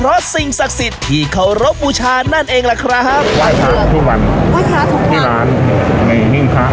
เอาเอาทุกทุกจุดเหมือนกันให้ทุกมุมอยู่นะคะ